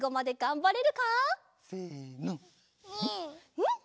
うん！